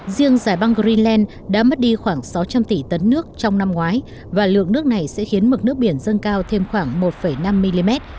riêng giải băng greenland đã mất đi khoảng sáu trăm linh tỷ tấn nước trong năm ngoái và lượng nước này sẽ khiến mực nước biển dâng cao thêm khoảng một năm mm